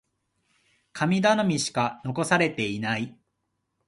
神頼みしか残されていない。